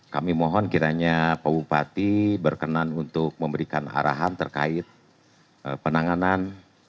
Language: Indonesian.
kami mohon kiranya pak bupati berkenan untuk memberikan arahan terkait penanganan